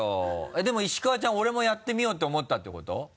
でも石川ちゃん俺もやってみようって思ったってこと？